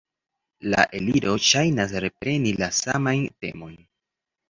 La Eliro ŝajnas repreni la samajn temojn.